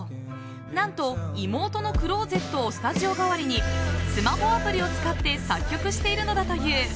何と、妹のクローゼットをスタジオ代わりにスマホアプリを使って作曲しているのだという。